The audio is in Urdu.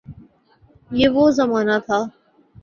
یہ وہ زمانہ تھا۔